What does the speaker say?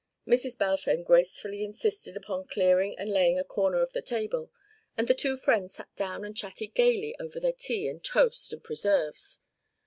Mrs. Balfame gracefully insisted upon clearing and laying a corner of the table, and the two friends sat down and chatted gaily over their tea and toast and preserves.